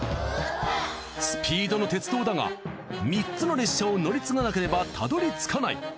スピードの鉄道だが３つの列車を乗り継がなければたどり着かない。